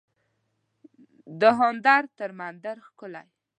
دهاندر تر مندر ښکلی